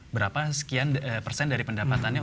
berapa sekian persen dari pendapatannya